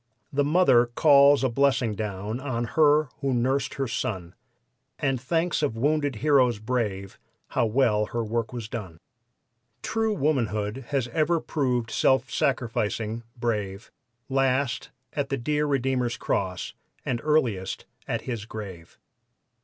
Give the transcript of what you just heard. The mother calls a blessing down on her who nursed her son, And thanks of wounded heroes brave how well her work was done. True womanhood has ever prov'd self sacrificing, brave Last at the dear Redeemer's Cross and earliest at His grave.